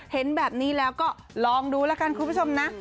เห็นแบบนี้แล้วก็ลองดูแล้วกันคุณผู้ชมนะ